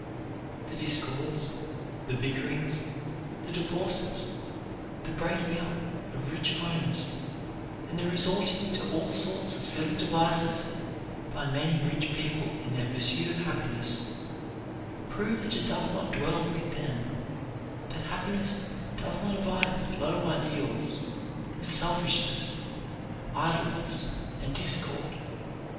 The discords, the bickerings, the divorces, the breaking up of rich homes, and the resorting to all sorts of silly devices by many rich people in their pursuit of happiness, prove that it does not dwell with them, that happiness does not abide with low ideals, with selfishness, idleness, and discord.